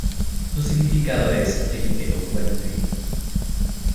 Su significado es "El elocuente".